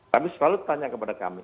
tapi selalu tanya kepada kami